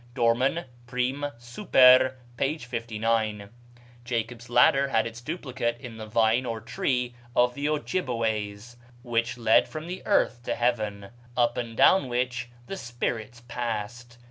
(Dorman, "Prim. Super.," p. 59.) Jacob's ladder had its duplicate in the vine or tree of the Ojibbeways, which led from the earth to heaven, up and down which the spirits passed.